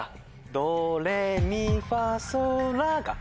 ドレミファソラか。